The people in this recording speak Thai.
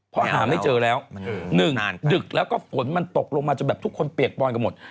เพราะหาไม่เจอแล้ว๑ดึกแล้วก็ฝนมันตกลงมาจนแบบทุกคนเปียกปอนกันหมด